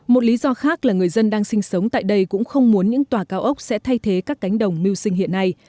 một lý do khác là người dân đang sinh sống tại đây cũng không muốn những tòa cao ốc sẽ thay thế các cánh đồng mưu sinh hiện nay